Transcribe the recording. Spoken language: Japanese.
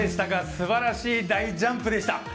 すばらしい大ジャンプでした。